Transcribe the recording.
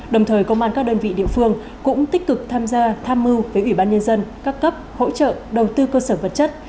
đồng thời công an các đơn vị địa phương cũng tích cực tham gia tham mưu với ủy ban nhân dân các cấp hỗ trợ đầu tư cơ sở vật chất